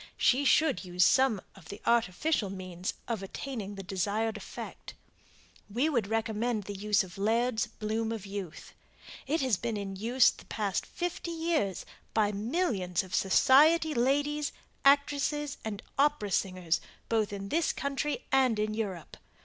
She should use some of the artificial means of attaining the desired effect. We would recommend the use of LAIRD'S "BLOOM OF YOUTH." It has been in use the past fifty years by millions of society ladies, actresses and opera singers both in this country and in Europe.